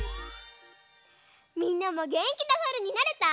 みんなもげんきなさるになれた？